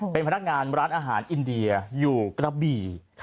เป็นพนักงานร้านอาหารอินเดียอยู่กระบี่